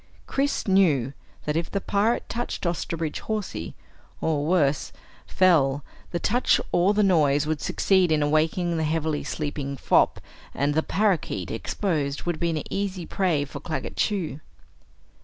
Chris knew that if the pirate touched Osterbridge Hawsey, or worse, fell, the touch or the noise would succeed in awakening the heavily sleeping fop and the parakeet, exposed, would be an easy prey for Claggett Chew.